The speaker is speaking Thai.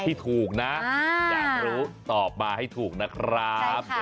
ที่ถูกนะอยากรู้ตอบมาให้ถูกนะครับ